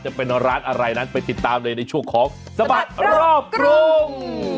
จะเป็นร้านอะไรนั้นไปติดตามเลยในช่วงของสบัดรอบกรุง